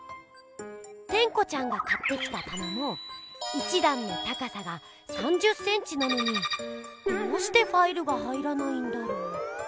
テンコちゃんが買ってきたたなも１だんの高さが３０センチなのにどうしてファイルが入らないんだろう？